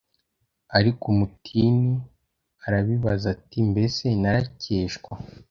Ariko umutini urabibaza uti Mbese narekeshwa